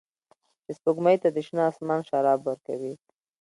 چې سپوږمۍ ته د شنه اسمان شراب ورکوي